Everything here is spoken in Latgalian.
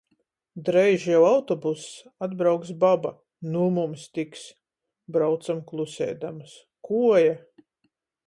Dreiži jau autobuss, atbrauks baba. Nu mums tiks! Braucom kluseidamys. Kuoja!